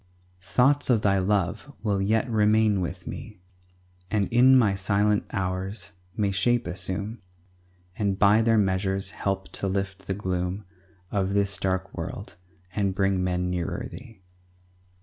Thoughts of Thy love will yet remain with me, And in my silent hours may shape assume, And by their measures help to lift the gloom Of this dark world, and bring men nearer Thee.